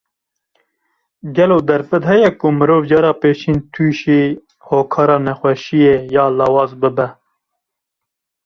Gelo derfet heye ku mirov cara pêşîn tûşî hokara nexweşiyê ya lawaz bibe?